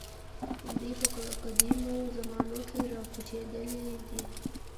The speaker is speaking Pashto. دوی په قدیمو زمانو کې راکوچېدلي دي.